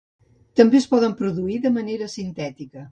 També es poden produir de manera sintètica.